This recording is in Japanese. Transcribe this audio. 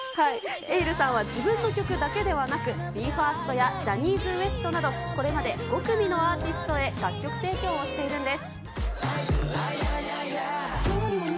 エイルさんは自分の曲だけではなく、ＢＥ：ＦＩＲＳＴやジャニーズＷＥＳＴなど、これまで５組のアーティストへ、楽曲提供をしているんです。